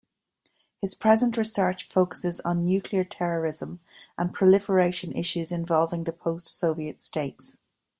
His present research focuses on nuclear terrorism and proliferation issues involving the post-Soviet states.